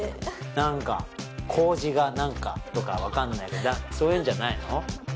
何かこうじが何かとか分かんないけどそういうんじゃないの？